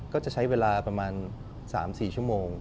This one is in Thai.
ก็จะใช้เวลาประมาณ๓๔ชั่วโมง